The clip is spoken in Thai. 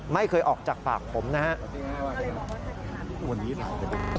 ไม่เคยออกจากปากผมนะครับ